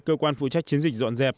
cơ quan phụ trách chiến dịch dọn dẹp